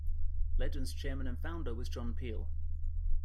Legend's chairman and founder was John Peel.